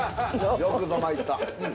◆よくぞまいった。